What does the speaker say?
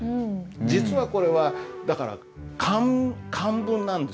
実はこれはだから漢文なんですよ。